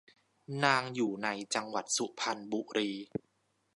นางอยู่ในจังหวัดสุพรรณบุรี